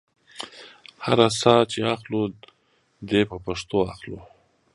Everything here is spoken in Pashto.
هر ساه چې اخلو دې په پښتو اخلو.